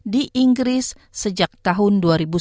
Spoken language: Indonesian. di inggris sejak tahun dua ribu sembilan belas